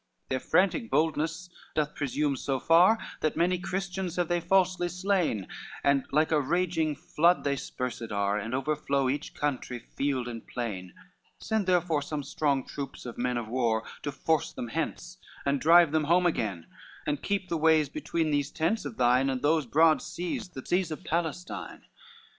LXXXVIII "Their frantic boldness doth presume so far, That many Christians have they falsely slain, And like a raging flood they spared are, And overflow each country, field and plain; Send therefore some strong troops of men of war, To force them hence, and drive them home again, And keep the ways between these tents of thine And those broad seas, the seas of Palestine."